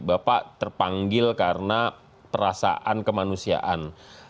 bapak terpanggil karena perasaan kemanusiaan